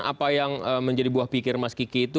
apa yang menjadi buah pikir mas kiki itu